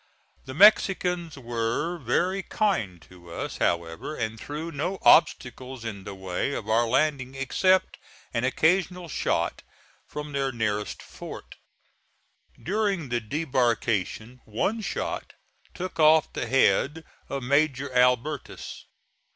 The Mexicans were very kind to us, however, and threw no obstacles in the way of our landing except an occasional shot from their nearest fort. During the debarkation one shot took off the head of Major Albertis.